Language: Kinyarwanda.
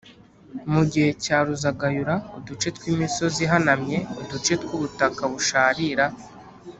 Mu gihe cya Ruzagayura, uduce tw’imisozi ihanamye, uduce tw’ubutaka busharira